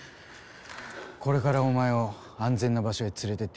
これからお前を安全な場所へ連れていってやる。